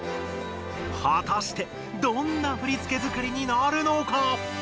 はたしてどんな振付づくりになるのか？